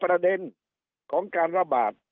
ประเด็นของการระบาด